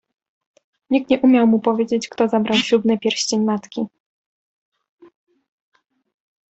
Nikt nie umiał mu powiedzieć, kto zabrał ślubny pierścień matki.